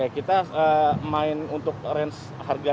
kita main untuk range harga